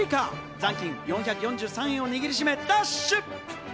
残金４４３円を握りしめ、ダッシュ。